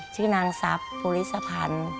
ชื่อนางซับภูริสภัณฑ์